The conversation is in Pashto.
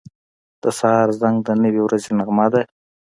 • د سهار زنګ د نوې ورځې نغمه ده.